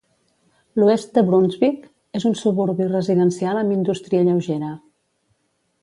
L'oest de Brunswick és un suburbi residencial amb indústria lleugera.